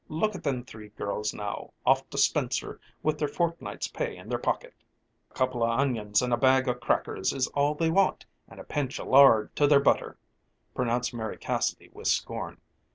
"Look at them three girls now, off to Spincer with their fortnight's pay in their pocket!" "A couple o' onions and a bag o' crackers is all they want and a pinch o' lard to their butter," pronounced Mary Cassidy with scorn.